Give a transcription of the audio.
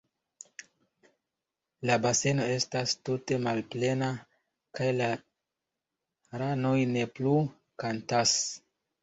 La baseno estas tute malplena, kaj la ranoj ne plu kantas.